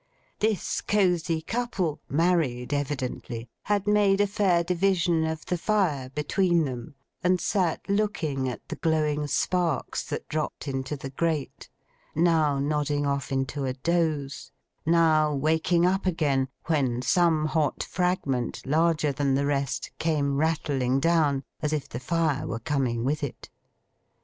This cosy couple (married, evidently) had made a fair division of the fire between them, and sat looking at the glowing sparks that dropped into the grate; now nodding off into a doze; now waking up again when some hot fragment, larger than the rest, came rattling down, as if the fire were coming with it.